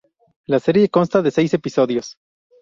La serie consta de seis episodios.